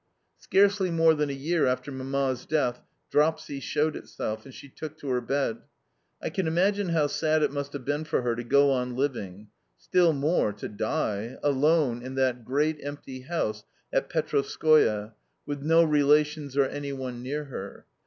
Scarcely more than a year after Mamma's death dropsy showed itself, and she took to her bed. I can imagine how sad it must have been for her to go on living still more, to die alone in that great empty house at Petrovskoe, with no relations or any one near her.